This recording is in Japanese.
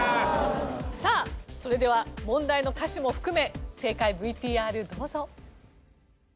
さあそれでは問題の歌詞も含め正解ＶＴＲどうぞ。